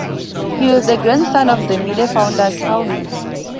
He was the grandson of the Miele founder Carl Miele.